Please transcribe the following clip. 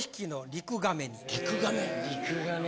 リクガメ？